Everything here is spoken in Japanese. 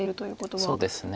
そうですね。